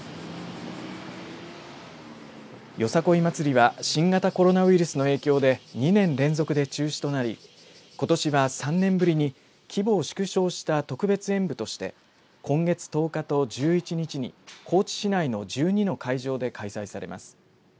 よさこい祭りは新型コロナウイルスの影響で２年連続で中止となりことしは３年ぶりに規模を縮小した特別演舞として今月１０日と１１日に高知市内の１２の会場で開催されます。